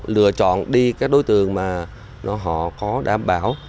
lựa chọn đi các đối tượng mà họ có đảm bảo